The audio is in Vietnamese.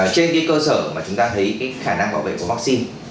trên cái cơ sở mà chúng ta thấy cái khả năng bảo vệ của vắc xin